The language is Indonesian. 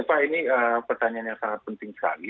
pak ini pertanyaan yang sangat penting sekali